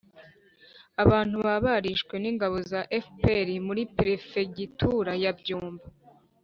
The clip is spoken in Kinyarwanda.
abantu baba barishwe n'ingabo za fpr muri perefegitura ya byumba.